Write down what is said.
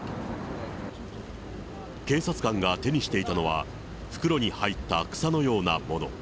警察官が手にしていたのは、袋に入った草のようなもの。